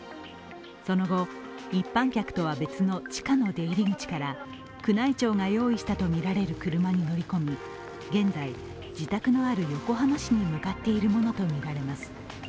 その後、一般客とは別の地下の出入り口から宮内庁が用意したとみられる車に乗り込み現在自宅のある横浜市に向かっているものとみられます。